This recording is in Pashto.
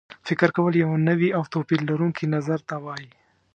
فکر کول یو نوي او توپیر لرونکي نظر ته وایي.